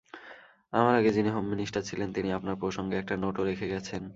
আমার আগে যিনি হোম মিনিস্টার ছিলেন তিনি আপনার প্রসঙ্গে একটা নোটও রেখে গেছেন।